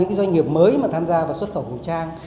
cái doanh nghiệp mới mà tham gia vào xuất khẩu khẩu trang